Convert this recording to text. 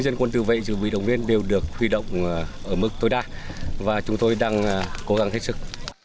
dân quân tự vệ dự bị động viên đều được huy động ở mức tối đa và chúng tôi đang cố gắng hết sức